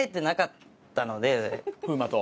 風磨と？